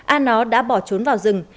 an nó đã bỏ trốn vào rừng